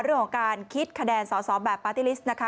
เรื่องของการคิดคำนวณสอบแบบปาร์ตี้ลิสต์นะคะ